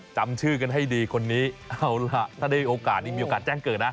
จำชื่อกันให้ดีคนนี้เอาล่ะถ้าได้โอกาสนี้มีโอกาสแจ้งเกิดนะ